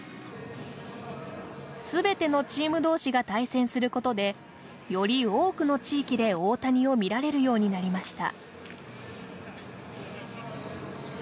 全てのチーム同士が対戦することでより多くの地域で大谷を見られるようになりました。